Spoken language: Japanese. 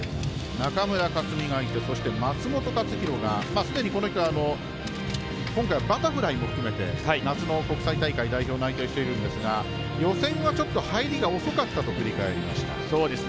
中村克がいてそして、松元克央がすでに、この人は今回はバタフライも含めて夏の国際大会代表内定しているんですが予選は、ちょっと入りが遅かったと振り返りました。